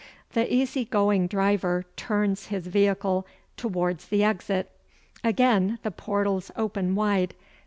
The easy going driver turns his vehicle towards the exit. Again the portals open wide.